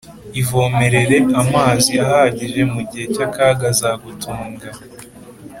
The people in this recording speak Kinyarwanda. ivomerere amazi ahagije mugihe cya akaga azagutunga